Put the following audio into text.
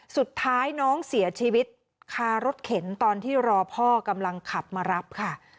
สุดท้ายน้องเสียชีวิตคารถเข็นตอนที่รอพ่อกำลังขับมารับค่ะ